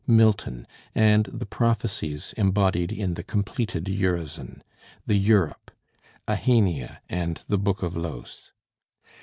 'Milton,' and the "prophecies" embodied in the completed 'Urizen,' the 'Europe,' 'Ahania,' and 'The Book of Los.'